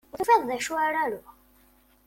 Ur tufiḍ d acu ara aruɣ.